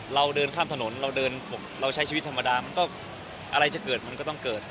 เราเดินข้ามถนนเราเดินเราใช้ชีวิตธรรมดามันก็อะไรจะเกิดมันก็ต้องเกิด